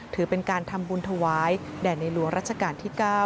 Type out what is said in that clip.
ถือเป็นการทำบุญถวายแด่ในหลวงรัชกาลที่๙